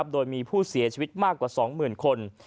โดยมีผู้เสียชีวิตมากกว่าสองหมื่นคน